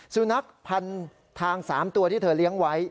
สุนัขพันทาง๓ตัวที่เธอเลี้ยงไว้